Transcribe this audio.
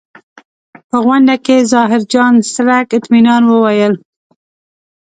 په غونډه کې ظاهرجان څرک اطمنان وویل.